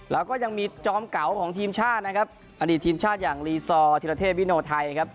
แล้วก็ยังมีจอมเก่าของทีมชาตินะครับอดีตทีมชาติอย่างลีซอร์ธิรเทพวิโนไทยครับ